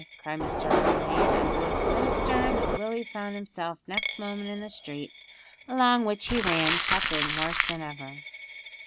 cried Mr Auberly in a voice so stern that Willie found himself next moment in the street, along which he ran chuckling worse than ever.